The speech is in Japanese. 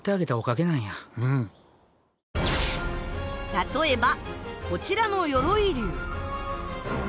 例えばこちらの鎧竜。